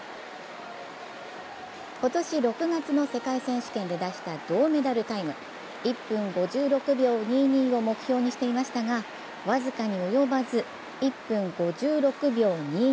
今年６月の世界選手権で出した銅メダルタイム、１分５６秒２２を目標にしていましたが僅かに及ばず１分５６秒２７。